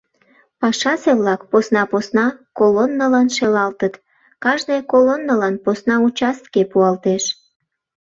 Пашазе-влак посна-посна колоннылан шелалтыт, кажне колоннылан посна участке пуалтеш.